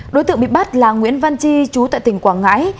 đối tượng bị bắt là nguyễn văn chi chú tại tỉnh quảng ngãi